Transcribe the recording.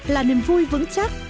là nền vui vững chắc